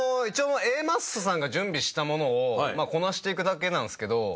一応Ａマッソさんが準備したものをこなしていくだけなんすけど。